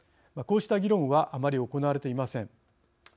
こうした議論はあまり行われていません。